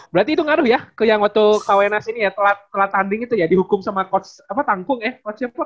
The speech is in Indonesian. berarti itu ngaruh ya ke yang waktu kwns ini ya telat tanding itu ya dihukum sama coach tangkung ya coach siapa kok